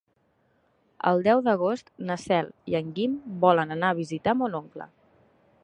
El deu d'agost na Cel i en Guim volen anar a visitar mon oncle.